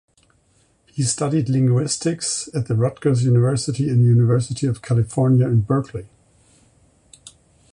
He studied linguistics at the Rutgers University and University of California in Berkeley.